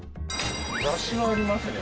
雑誌はありますね。